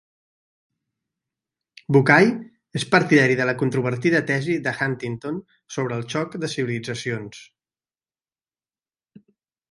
Bukay és partidari de la controvertida tesi de Huntington sobre el xoc de civilitzacions